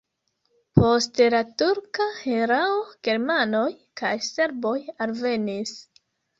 Post la turka erao germanoj kaj serboj alvenis.